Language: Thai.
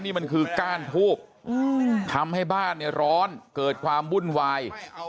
นี่มันคือก้านทูบทำให้บ้านเนี่ยร้อนเกิดความวุ่นวาย